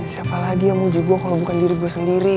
siapa lagi yang mujib gue kalau bukan diri gue sendiri